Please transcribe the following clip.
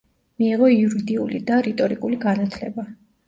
მიიღო იურიდიული და რიტორიკული განათლება.